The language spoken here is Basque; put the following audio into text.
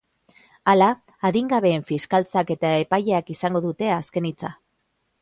Hala, adingabeen fiskaltzak eta epaileak izango dute azken hitza.